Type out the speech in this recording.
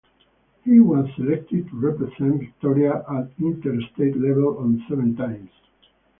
He was selected to represent Victoria at interstate level on seven times.